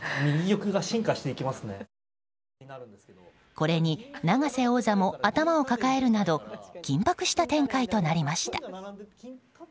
これに永瀬王座も頭を抱えるなど緊迫した展開となりました。